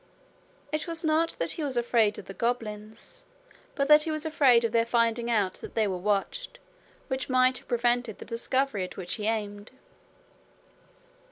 It was not that he was afraid of the goblins, but that he was afraid of their finding out that they were watched, which might have prevented the discovery at which he aimed.